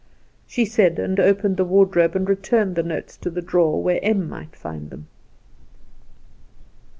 she said, and opened the wardrobe and returned the notes to the drawer, where Em might find them.